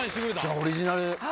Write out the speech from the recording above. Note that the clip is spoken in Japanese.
オリジナル